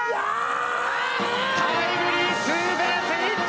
タイムリーツーベースヒット！